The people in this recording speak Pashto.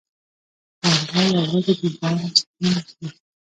پاندا یوازې د بانس پاڼې خوري